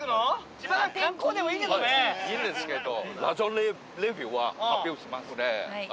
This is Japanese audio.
いいですけど。